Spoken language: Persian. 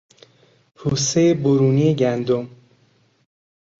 پوستهی برونی گندم